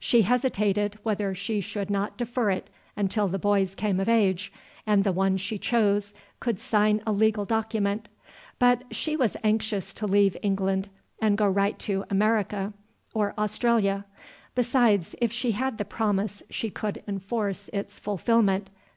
She hesitated whether she should not defer it until the boys came of age, and the one she chose could sign a legal document; but she was anxious to leave England, and go right away to America or Australia. Besides, if she had the promise she could enforce its fulfilment.